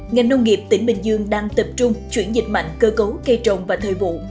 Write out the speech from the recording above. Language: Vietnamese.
ngành nông nghiệp tỉnh bình dương đang tập trung chuyển dịch mạnh cơ cấu cây trồng và thời vụ